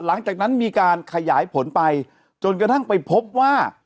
หลังจากนั้นมีการขยายผลไปจนกระทั่งไปพบว่า